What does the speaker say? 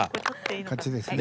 勝ちですね。